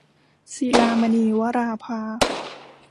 ศิลามณี - วราภา